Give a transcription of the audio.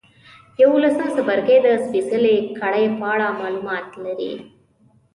یوولسم څپرکی د سپېڅلې کړۍ په اړه معلومات لري.